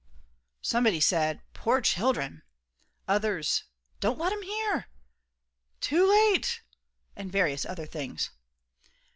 Somebody said, "Poor children." Others, "Don't let 'em hear," "Too late!" and various other things.